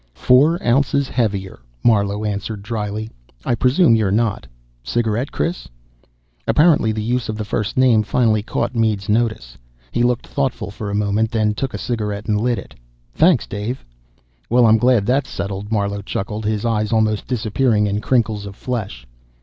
"Four ounces heavier," Marlowe answered dryly. "I presume you're not. Cigarette, Chris?" Apparently, the use of the first name finally caught Mead's notice. He looked thoughtful for a moment, then took a cigarette and lit it. "Thanks Dave." "Well, I'm glad that's settled," Marlowe chuckled, his eyes almost disappearing in crinkles of flesh.